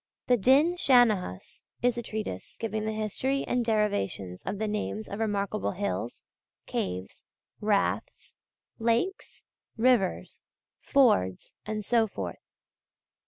The Dinnsenchus [Din shannahus] is a treatise giving the history and derivations of the names of remarkable hills, caves, raths, lakes, rivers, fords, and so forth.